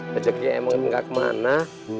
kejeknya emang ini gak kemana